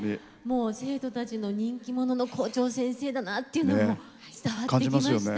生徒たちの人気者の校長先生だなっていうのが伝わってきました。